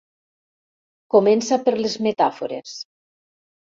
Comença per les metàfores.